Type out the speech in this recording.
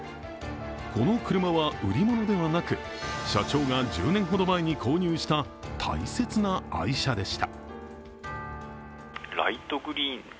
この車は売り物ではなく社長が１０年ほど前に購入した大切な愛車でした。